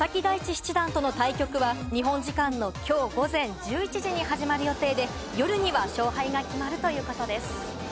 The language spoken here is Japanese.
七段との対局は日本時間のきょう午前１１時に始まる予定で、夜には勝敗が決まるということです。